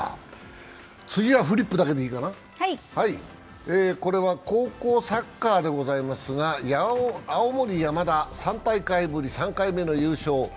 次はフリップだけでいいかな、これは高校サッカーでございますが青森山田大会ぶり優勝。